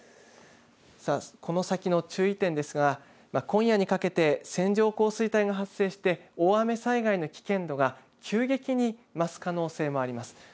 この先の注意点ですが今夜にかけて線状降水帯が発生して大雨災害の危険度が急激に増す可能性もあります。